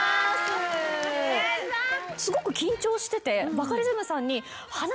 すごく緊張しててバカリズムさんに。